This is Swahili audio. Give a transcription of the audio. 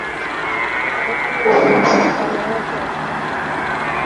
Marekani imeunganisha upana wote wa bara kutoka